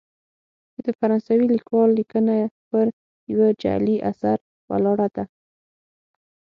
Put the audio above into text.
چې د فرانسوي لیکوال لیکنه پر یوه جعلي اثر ولاړه ده.